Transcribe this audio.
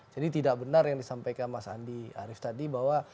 jadi tidak benar yang disampaikan mas andi arief tadi bahwa